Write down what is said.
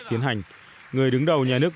tiến hành người đứng đầu nhà nước